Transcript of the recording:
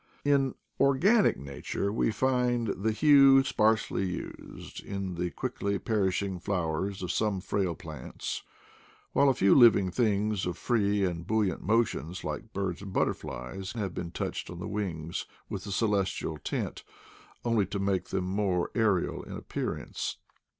In organic nature we only find the hue sparsely used in the quickly perishing flowers of some frail plants ; while a few living things of free and buoy ant motions, like birds and butterflies, have been touched on the wings with the celestial tint only to make them more aerial in appearance.